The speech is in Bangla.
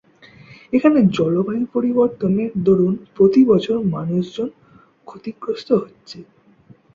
এখানে জলবায়ু পরিবর্তনের দরুন প্রতিবছর মানুষজন ক্ষতিগ্রস্ত হচ্ছে।